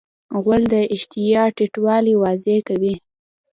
غول د اشتها ټیټوالی واضح کوي.